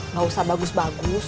gak usah bagus bagus